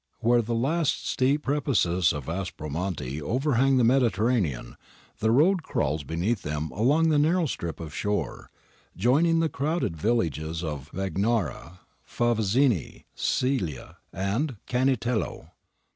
Where the last steep precipices of Aspromonte overhang the Mediterranean, a road crawls beneath them along the narrow strip of shore, joining the crowded villages of Bagnara, Favazzina, Scilla, and Cannitello.